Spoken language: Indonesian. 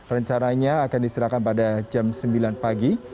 rencananya akan diserahkan pada jam sembilan pagi